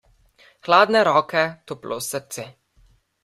Hladne roke, toplo srce.